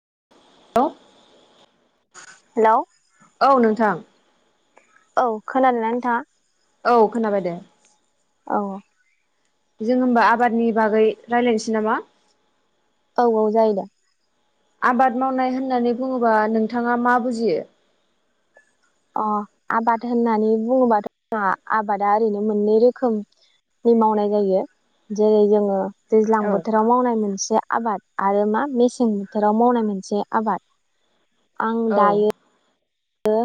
[inaudible] Hello. औ नोंथां। औ खोनादोंना नोंथाङा? औ खोनाबाय दे। औ औ। जों होमबा आबादनि बागै रायलायनोसै नामा। औ औ जायो दा। आबाद मावनाय होननानै बुङोबा नोंथाङा मा बुजियो। अ आबाद होननानै बुङोबाथ' जोंहा आबादा ओरैनो मोननै रोखोमनि मावनाय जायो जेरै जोङो दैज्लां औ बोथोराव मावनाय मोनसे आबाद। आरो मा मेसें बोथोराव मावनाय मोनसे आबाद। आं औ दायो [unintelligible]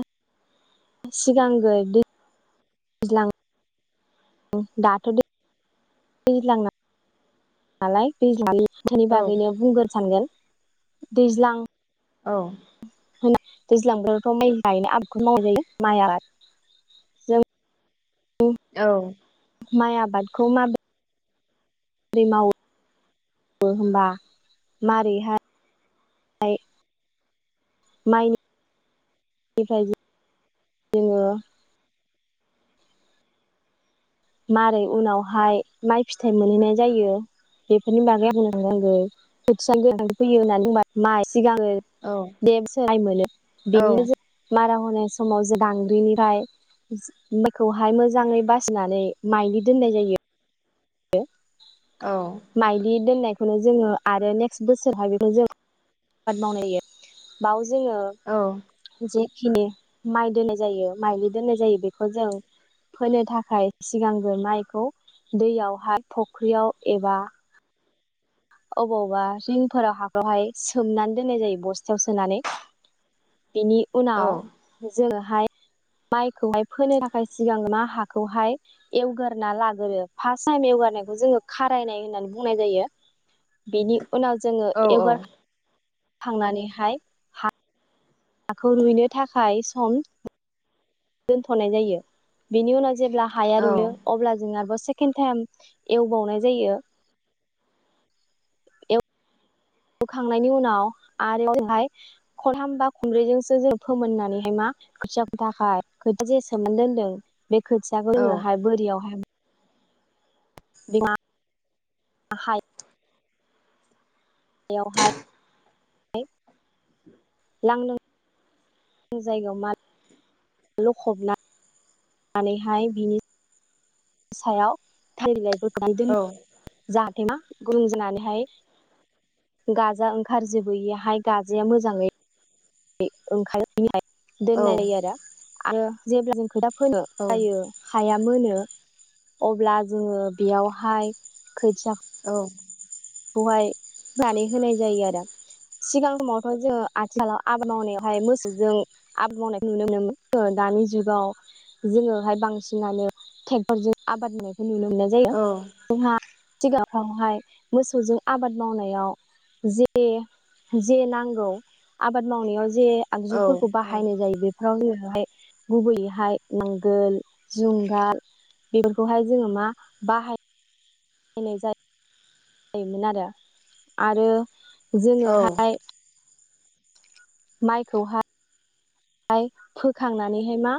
सिगां गो दै दैज्लां दाथ' दै दैलांना नालाय दैज्लांनि खोथानि औ बागैनो बुंगोन सानगोन दैज्लां औ। होन दैज्लां बोथोरावथ' माइ गायनो आबादखौ मावजायो माइआ जों औ। माइ आबादखौ मा बोरै मावो [unintelligible] होमबा मारैहाय आय। माइनिफ्राय जों जोङो मारै उनावहाय माइ फिथाइ मोनहैनाय जायो बेफोरनि बागै [unintelligible] सिगाङो औ देम सोलाय औ बेनि नोजोर माराव मावनाय समाव जे दांग्रिनि राय माइखौहाय मोजाङै बासिनानै माइलि दोननाय जायो। [unintelligible] औ माइलि दोननाय खौनो जोङो आरो नेक्स्ट बोसोर [unintelligible] जोङो जे औ जिखिनि माइ दोन्नाय जायो माइलि दोननाय जायो बेखौ जों फोनो थाखाय सिगांग्रो माइखौ दैयाव फाय फुख्रियाव एबा अबावबा रिंफोराव हाखावहाय सोमनानै दोननाय जायो बस्थायाव सोनानै। बेनि औ उनाव जोङो हायो माइखौहाय फोनो थाखाय सिगां मा हाखौहाय एवगारना लागोरो फार्स्ट टाइम एवगारनायखौ जोङो खारायनाय होननानै बुंनाय जायो। बिनि उनाव जोङो औ एवगार थांनानैहाय हा हाखौ रुइनो थाखाय सम दोनथ'नाय जायो बेनि उनाव जेब्ला हाया रुयो अब्ला जों बस सेकेन्ड टाइम एवबावनाय जायो। बोखांनायनि उनाव आरोहाय खनथाम बा खमब्रैजोंसो जों फोमोननानैहाय मा खोथिया खुथाखाय खोथिया जे सोमना दोनदों बे खोथिखौ जोङो हाय बोरियावहाय [unintelligible] बेयावहाय हाय [inaudible] लांनो दां जायगायाव मा लखबना नानैहाय बिनि सायाव थालिर लाइबो [unintelligible] जाहाथे मा गुरै जानानैहाय गाजा ओंखार जोबोयो हाय गाजाया मोजाङै [unintelligible] दोननाय जायो‌आरो। आरो जेब्ला जों खोथा फोनो जायो हाया मोनो अब्ला जोङो बेयावहाय खोथिया औ खौहाय होनानै होनाय जायो आरो सिगां समावथ' जोङो आथिखालाव आबाद मावनायावहाय मोसौजों आबाद मावनायखौ नुनो मोनोमोन दानि जुगाव जोङोहाय बांसिनानो ट्रेक्टरजों आबाद मावनाय नुनो मोननाय जायो जोंहा सिगाङावहाय मोसौजों आबाद मावनायाव जे जे नांगौ आबाद मावनायाव जे आगजुफोरखौ बाहायनाय जायो बे [unintelligible] गुबैयैहाय नांगोल जुंगाल बेफोरखौहाय जोङो मा बाहाय नाय जा जायोमोन आरो आरो जोङोहाय माइखौहा य फोखांनानैहाय मा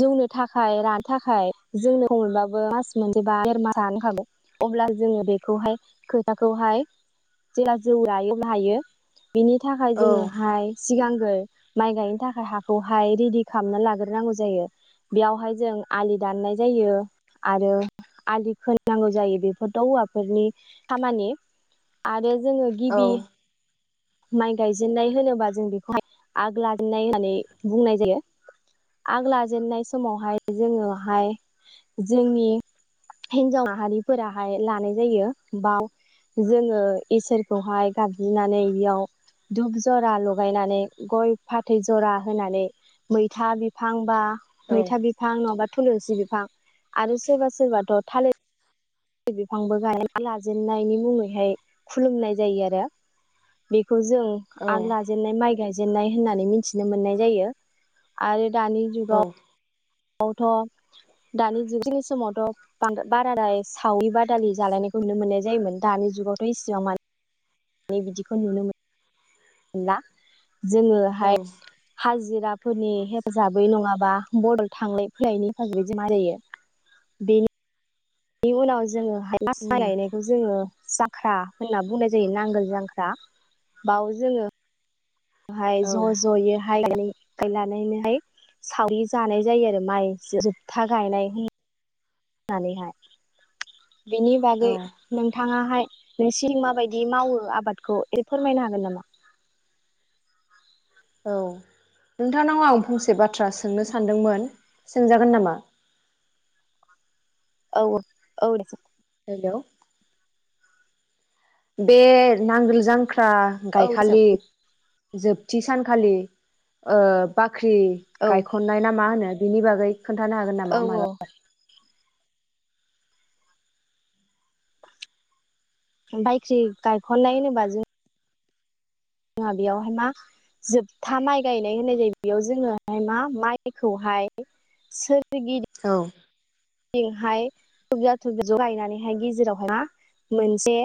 जौनो थाखाय रानो थाखाय जोंनो हमबाबो मास मोनजबा देर मास जानो हागौ अब्ला जोङो बेखौहाय खोथाखौहाय जेब्ला जौ लायो अब्लाहायो बिनि थाखाय जोङोहाय सिगां [unintelligible] माइ गायनो थाखाय हाखौहाय रेडि खालामना लाग्रोनांगौ जायो बेयावहाय जों आलि दाननाय जायो आरो आलि खोनांगौ जायो बेफोरथ' हौवाफोरनि खामानि आरो जोङो गिबि माइ गायजेननाय होनोबा जों बेखौहाय आग लाजेनाय होननानै बुंनाय जायो आग लाजेनाय समावहाय जोङोहाय जोंनि हिन्जाव माहारिफोराहाय लानाय जायो बाव जोङो इसोरखौहाय गाबज्रिनानै बेयाव धुब जरा लगायनानै गय फाथै जरा होनानै मैथा बिफां बा मैथा बिफां नङाबा थुलुंसि बिफां आरो सोरबा सोरबाथ' थालिर बिफांबो गाय लाजेननायनि मुङैहाय खुलुमनाय जायो आरो बे खौ जों आग लाजेननाय माइ गाय जेननाय होननानै मिथिनो मोननाय जायो आरो दानि जुगाव आवथ' दानि जुगनि समावथ' बांदा बारादाय सावरि बादालि जालायनायखौ नुनो मोननाय जायोमोन दानि जुगावथ' इसिबां मानि होननानै बिदिखौ नुनो मोन ला। जोङोहाय हाजिरा फोरनि हेफाजाबै नङाबा बदल थांलाय फैलायनि हेफाजाबै [unintelligible] जायो बेनि नि उनाव जों फास्थ गायनायखौ जोङो जाख्रा होनना बुंनाय जायो नांगोल जांख्रा बाव जोङो हाय ज' ज'यै [unintelligible] सावरि जानाय जायो आरो माइ जोबथा गायनाय। नानैहाय। बेनि बागै औ नोंथाङा हाय नोंसिनि माबायदि मावो आबादखौ ए फोरमायनो हागोन नामा? औ नोंथांनाव आं फंसे बा थ्रा सोंनो सानदोंमोन। सोंजागोन नामा? औ औ दे सों। हेलौ बे नांगोल जांख्रा आ औ दे सों गायखालि जोबथि सानखालि ओ बाख ख्रि औ गायखननाय ना मा होनो बिनि बागै खोन्थानो हागोन औ नामा औ मालाबा बायख्रि गायख'नाय होनोब्ला जों जोंहा बेयावहाय मा जोबथा माइ गायनाय होननाय जायो बेयाव जोङोहाय मा माइखौहाय सोर औ थिंहाय थुबजा थुब ज' गायनानैहाय गेजेरावहाय मा मोनसे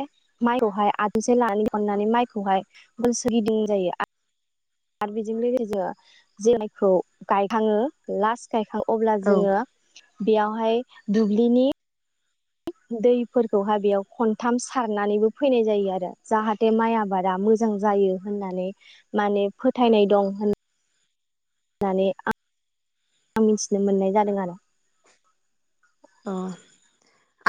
माइखौहाय आथुमसे लानानै खननानै माइखौहाय [unintelligible] गिदिं जायो आरो आरो बेजों लोगोसे जायखौ गायखाङो लास्ट गाय हां अब्ला औ जोङो बेयावहाय दुब्लिनि दैफोरखौहाय बेयाव खनथाम सारनानैबो फैनाय जायो आरो जाहाथे माइ आबादा मोजां जायो होननानै माने फोथायनाय दं होन नानै आं मिथिनो मोननाय जादों आरो अ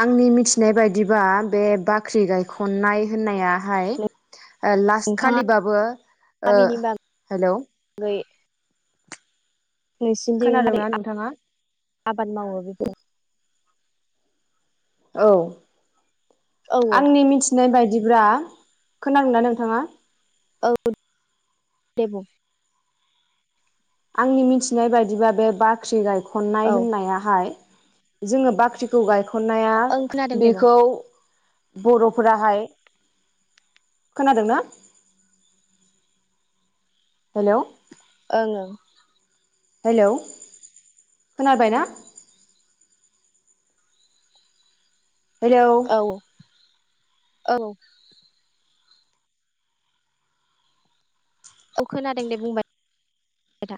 आंनि मिथिनाय बायदिबा बे बाख्रि गायखननाय होननाया आहाय ओ लास्ट नोंथाङा खालिबाबो ओ बिनि हेलौ नोंसिनिथि मारै खोनादोंना आ नोंथाङा? आबाद मावो बेफोर औ औ औ आंनि मिथिनाय बायदि ब्रा खोनादोंना नोंथाङा औ दे बुं आंनि मिथिनाय बायदिबा बे बाख्रि गायखन औ खननाय होननायाहाय जोङो बाख्रिखौ गायख खननाया ओं खोनादों दे बुं बेखौ बर'फोराहाय खोनादोंना? हेल' जोङो हेलौ खोनाबाय ना? हेलौ औ औ औ खोनादों दे बुंबाय था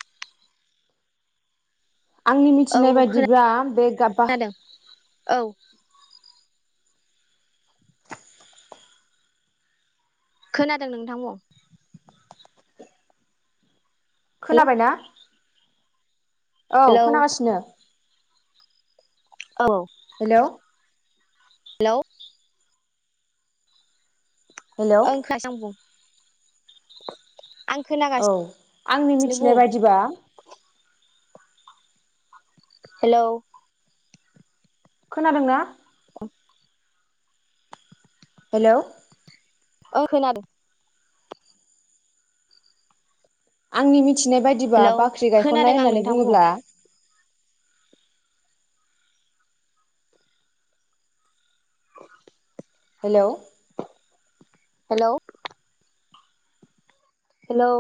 आंनि औ मिथिनाय औ बादिब्ला बे गाबबा खोनादों औ खोनादों नोंथां बुं हेलौ खोनाबाय ना? औ हेलौ खोनागासिनो। औ हेलौ। हेलौ। हेलौ ओं खोनासं बुं। आं औ खोनागासिनो आंनि मिथिनाय बुं बायदिबा हेलौ। खोनादों ना? [inaudible] हेलौ। ओ खोनादों। आंनि मि थिनाय बायदिबा हेलौ बाख्रि खोनादों गायखन्नाय आं होननानै नोंथां बुं बुङोब्ला हेलौ। हेलौ। हेलौ